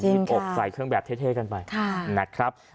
บอกใส่เครื่องแบบเท่กันไปนะครับ